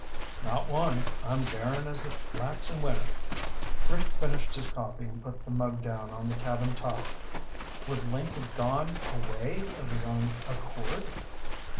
"Not one. I'm barren as the flats in winter." Rick finished his coffee and put the mug down on the cabin top. "Would Link have gone away of his own accord?"